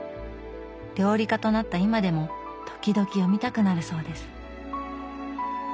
料理家となった今でも時々読みたくなるそうです。